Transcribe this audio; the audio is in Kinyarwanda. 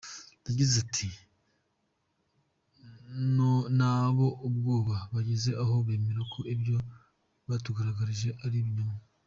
Yagize ati “Nabo ubwabo bageze aho bemera ko ibyo batugaragarije ari ibinyoma.